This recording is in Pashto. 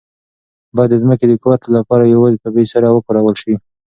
باید د ځمکې د قوت لپاره یوازې طبیعي سره وکارول شي.